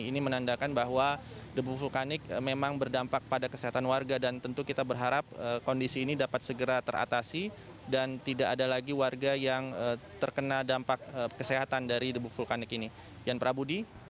ini menandakan bahwa debu vulkanik memang berdampak pada kesehatan warga dan tentu kita berharap kondisi ini dapat segera teratasi dan tidak ada lagi warga yang terkena dampak kesehatan dari debu vulkanik ini